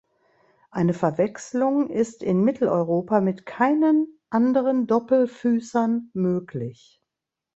Eine Verwechslung ist in Mitteleuropa mit keinen anderen Doppelfüßern möglich.